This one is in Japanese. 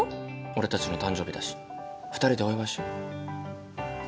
俺たちの誕生日だし２人でお祝いしよう。